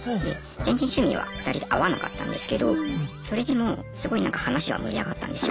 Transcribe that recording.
全然趣味は２人で合わなかったんですけどそれでもすごいなんか話は盛り上がったんですよ。